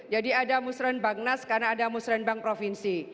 jadi ada musrembang nas karena ada musrembang provinsi